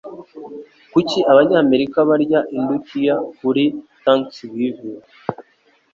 Kuki Abanyamerika barya indukiya kuri Thanksgiving?